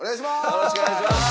よろしくお願いします。